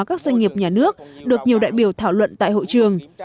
các doanh nghiệp nhà nước được nhiều đại biểu thảo luận tại hội trường